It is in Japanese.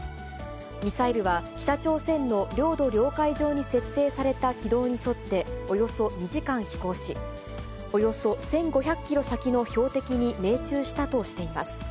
ミサイルは北朝鮮の領土・領海上に設定された軌道に沿っておよそ２時間飛行し、およそ１５００キロ先の標的に命中したとしています。